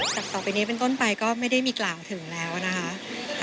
ต่อไปนี้เป็นต้นไปก็ไม่ได้มีกล่าวถึงแล้วนะคะ